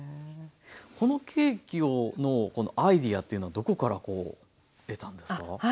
このケーキのアイデアというのはどこから得たんですか？